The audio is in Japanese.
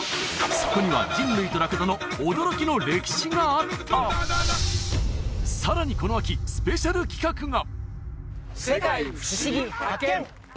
そこには人類とラクダの驚きの歴史があったさらにこの秋スペシャル企画が「世界ふしぎ発見！」